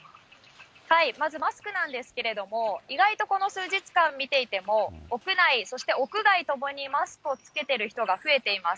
まず、マスクなんですけれども、意外とこの数日間見ていても、屋内、そして屋外ともにマスクを着けてる人が増えています。